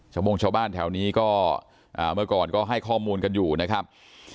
โมงชาวบ้านแถวนี้ก็เมื่อก่อนก็ให้ข้อมูลกันอยู่นะครับ